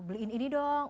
beliin ini dong